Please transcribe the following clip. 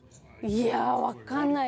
いや分かんない。